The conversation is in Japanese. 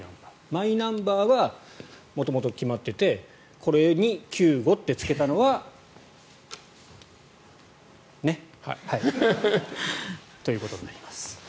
マイナンバーは元々決まっていてこれに「救護」とつけたのはね？ということになります。